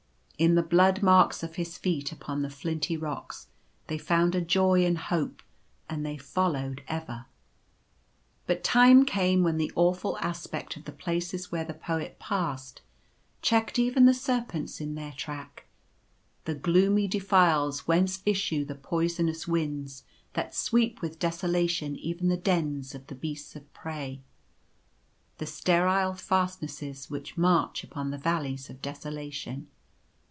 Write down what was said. In the blood marks of his feet upon the flinty rocks they found a joy and hope, and they followed ever. But time came when the awful aspect of the places where the Poet passed checked even the serpents in their track — the gloomy defiles whence issue the poisonous winds that sweep with desolation even the dens of the beasts of prey — the sterile fastnesses which march upon the valleys of desolation.